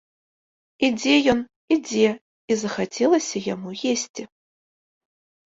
Ідзе ён, ідзе, і захацелася яму есці.